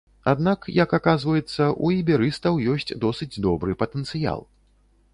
Аднак, як аказваецца, у іберыстаў ёсць досыць добры патэнцыял.